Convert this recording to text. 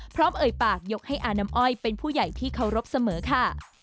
เอ่ยปากยกให้อาน้ำอ้อยเป็นผู้ใหญ่ที่เคารพเสมอค่ะ